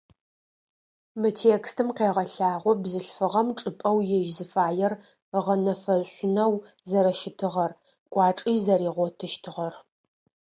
Мы текстым къегъэлъагъо бзылъфыгъэм чӏыпӏэу ежь зыфаер ыгъэнэфэшъунэу зэрэщытыгъэр, кӏуачӏи зэригъотыщтыгъэр.